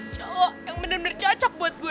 cowok yang bener bener cocok buat gue